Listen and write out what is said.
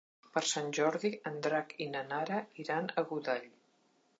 Per Sant Jordi en Drac i na Nara iran a Godall.